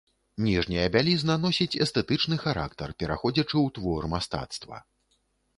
Ніжняя бялізна носіць эстэтычны характар, пераходзячы ў твор мастацтва.